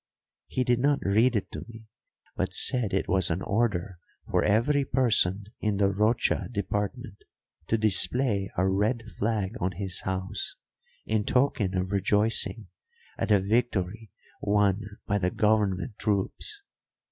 He did not read it to me, but said it was an order for every person in the Rocha department to display a red flag on his house in token of rejoicing at a victory won by the government troops.